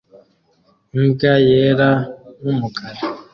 Imbwa yera n'umukara